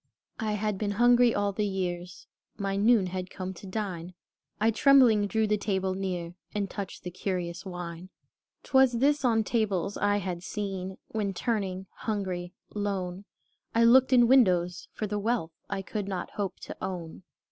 I had been hungry all the years; My noon had come, to dine; I, trembling, drew the table near, And touched the curious wine. 'T was this on tables I had seen, When turning, hungry, lone, I looked in windows, for the wealth I could not hope to own.